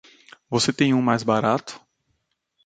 Você tem um mais barato?